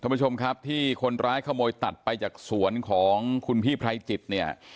ผู้ชมครับที่คนร้ายขโมยตัดไปจากสวนของคุณพี่ไพรจิตเนี่ย